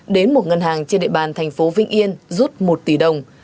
đến một ngân hàng trên địa bàn thành phố vĩnh yên rút một tỷ đồng